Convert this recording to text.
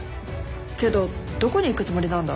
けどどこに行くつもりなんだ？